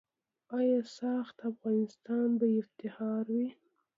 آیا "ساخت افغانستان" به افتخار وي؟